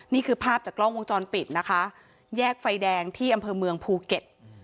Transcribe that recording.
นี่คือภาพจากกล้องวงจรปิดนะคะแยกไฟแดงที่อำเภอเมืองภูเก็ต